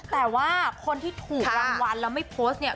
แต่ว่าคนที่ถูกรางวัลแล้วไม่โพสต์เนี่ย